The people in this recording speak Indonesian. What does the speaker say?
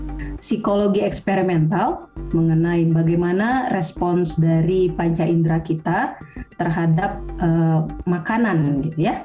psikologi eksperimental mengenai bagaimana respons dari panca indera kita terhadap makanan gitu ya